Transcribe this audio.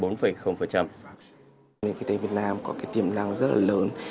nền kinh tế việt nam có tiềm năng rất lớn